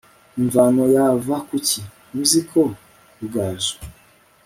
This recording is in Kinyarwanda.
imvano yava kuki? ntizi ko rugaju